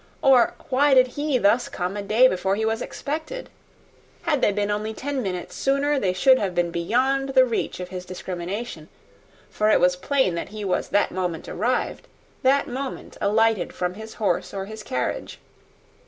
or, why did he thus come a day before he was expected? Had they been only ten minutes sooner, they should have been beyond the reach of his discrimination; for it was plain that he was that moment arrived, that moment alighted from his horse or his carriage.